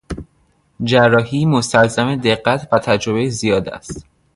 جراحی مستلزم دقت و تجربهی زیاد است.